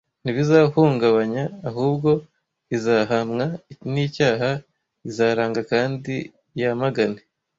ntibizahungabanya ahubwo izahamwa nicyaha izaranga kandi yamagane